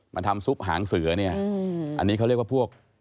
ทำซุปหางเสือเนี่ยอันนี้เขาเรียกว่าพวก